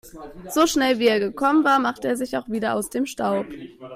So schnell wie er gekommen war, macht er sich auch wieder aus dem Staub.